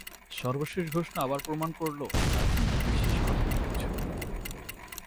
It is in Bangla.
সর্বশেষ ঘোষণা আবার প্রমাণ করল, রাজনীতিতে শেষ কথা বলে কিছু নেই।